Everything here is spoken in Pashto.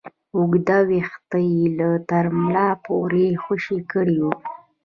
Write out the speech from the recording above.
اوږده ويښته يې تر ملا پورې خوشې کړي وو.